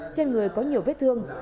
trên người có nhiều vết thương